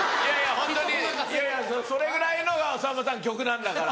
ホントにそれぐらいのさんまさん曲なんだから。